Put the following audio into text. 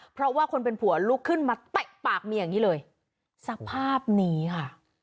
เพราะว่าคนเป็นผัวลุกขึ้นมาเตะปากเมียอย่างนี้เลยสภาพนี้ค่ะ